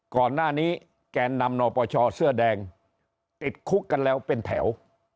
ก่อนหน้านี้แกนนำนปชเสื้อแดงติดคุกกันแล้วเป็นแถว